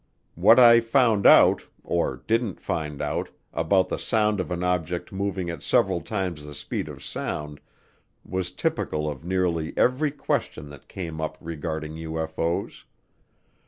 What I found out, or didn't find out, about the sound of an object moving at several times the speed of sound was typical of nearly every question that came up regarding UFO's.